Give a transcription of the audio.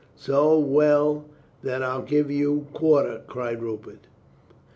"So well that I'll give you quarter," cried Rupert.